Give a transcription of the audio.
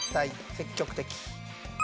積極的。